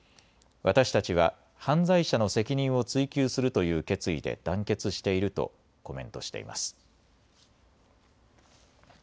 私たちは犯罪者の責任を追及するという決意で団結しているとコメントしています。